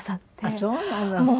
あっそうなの。